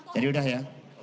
jadi sudah ya